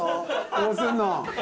どうすんの？